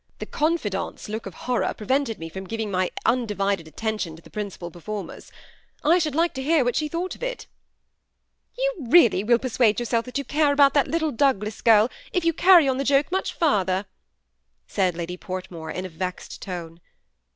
The confidante's look of horror pre vented me from giving my undivided attention to the principal performers. I shall like to hear what she thought of it." "You really will persuade yourself that you care about that little Douglas girl if you carry on the joke much further," said Lady Portmore in a vexed tone.